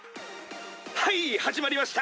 「はい始まりました！